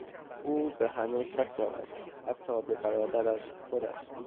او به همه شک دارد حتی به برادرش خودش.